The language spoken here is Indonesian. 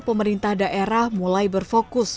pemerintah daerah mulai berfokus